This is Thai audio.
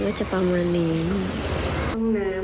แล้วไม่ได้กินข้าวตั้งแต่เมื่อคืน